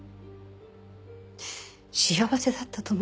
幸せだったと思います。